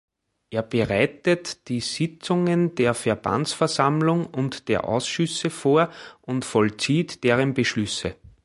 Er bereitet die Sitzungen der Verbandsversammlung und der Ausschüsse vor und vollzieht deren Beschlüsse.